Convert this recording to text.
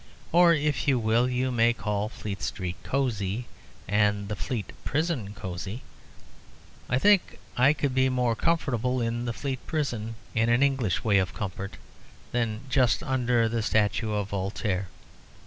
Or, if you will, you may call Fleet Street cosy, and the Fleet Prison cosy. I think I could be more comfortable in the Fleet Prison, in an English way of comfort, than just under the statue of Voltaire.